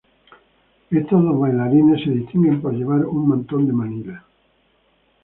Estos dos bailarines se distinguen por llevar un mantón de Manila.